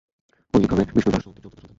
কল্কি হবে বিষ্ণুযশ-সুমতির চতুর্থ সন্তান।